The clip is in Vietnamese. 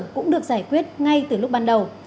cũng được giải quyết ngay từ lúc ban đầu